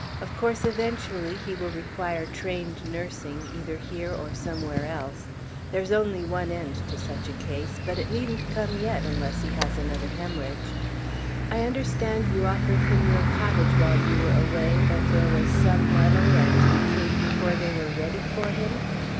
"Of course eventually he will require trained nursing, either here or somewhere else; there is only one end to such a case, but it needn't come yet, unless he has another hemorrhage. I understand you offered him your cottage while you were away, but there was some muddle, and he came before they were ready for him?